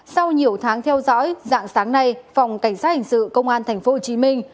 sau nhiều tháng theo dõi dạng sáng nay phòng cảnh sát hình sự công an thành phố hồ chí minh